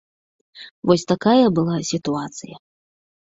Вось такая была сітуацыя.